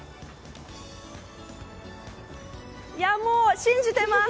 もう信じてます！